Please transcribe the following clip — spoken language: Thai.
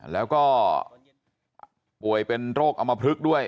แล้วก็ป่วยเป็นโรคอมพลึกด้วย